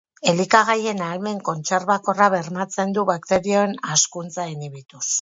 Elikagaien ahalmen kontserbakorra bermatzen du bakterioen hazkuntza inhibituz.